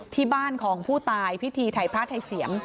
ที่บ้านของผู้ตายพิธีถ่ายพระไทยเสียม